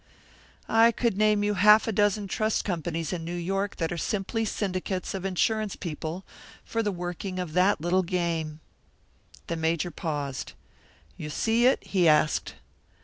I could name you half a dozen trust companies in New York that are simply syndicates of insurance people for the working of that little game." The Major paused. "You see it?" he asked.